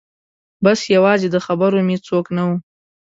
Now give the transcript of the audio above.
بس یوازې د خبرو مې څوک نه و